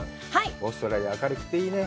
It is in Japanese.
オーストラリア、明るくていいね。